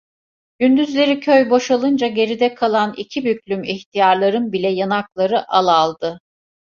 Gündüzleri köy boşalınca geride kalan iki büklüm ihtiyarların bile yanakları al aldı.